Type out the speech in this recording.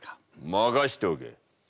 任しておけ。